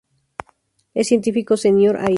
Es científico senior allí.